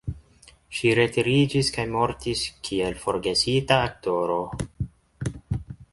Ŝi retiriĝis kaj mortis kiel forgesita aktoro.